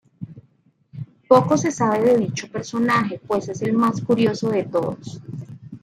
Poco se sabe de dicho personaje, pues es el más curioso de todos.